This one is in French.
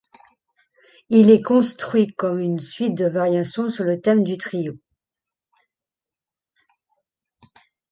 Il est construit comme une suite de variations sur le thème du trio.